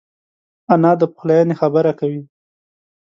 انا د پخلاینې خبره کوي